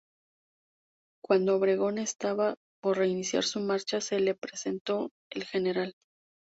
Cuando Obregón estaba por reiniciar su marcha, se le presentó el Gral.